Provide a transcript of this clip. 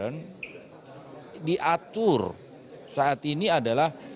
dan diatur saat ini adalah